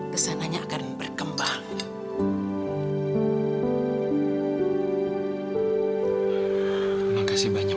kesananya akan berkembang